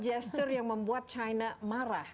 gesture yang membuat china marah